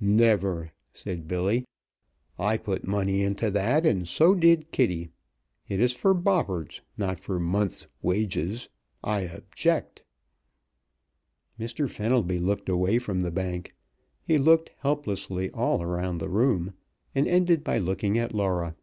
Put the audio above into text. "Never!" said Billy. "I put money into that, and so did Kitty. It is for Bobberts, not for month's wages. I object." Mr. Fenelby looked away from the bank. He looked, helplessly, all around the room, and ended by looking at Laura.